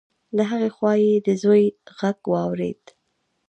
د هغې خوا يې د زوی غږ واورېد.